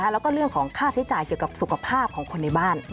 แล้วก็เรื่องของค่าใช้จ่ายเกี่ยวกับสุขภาพของคนในบ้าน